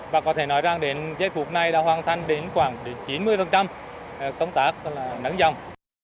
và có thể nói rằng đến giây phút này đã hoàn thành đến khoảng chín mươi công tác nắng dòng